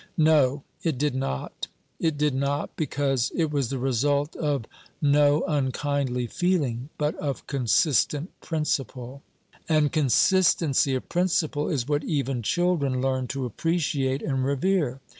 No, it did not. It did not, because it was the result of no unkindly feeling, but of consistent principle; and consistency of principle is what even children learn to appreciate and revere.